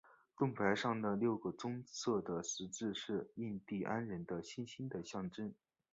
盾牌上的六个棕色的十字是印第安人的星星的象征。